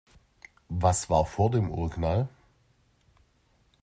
Was war vor dem Urknall?